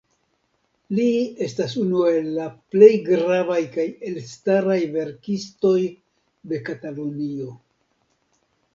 Li estas unu el la plej gravaj kaj elstaraj verkistoj de Katalunio.